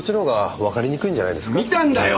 見たんだよ！